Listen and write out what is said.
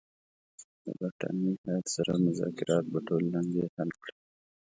د برټانوي هیات سره مذاکرات به ټولې لانجې حل کړي.